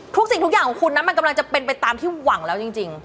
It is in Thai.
สิ่งทุกอย่างของคุณนั้นมันกำลังจะเป็นไปตามที่หวังแล้วจริง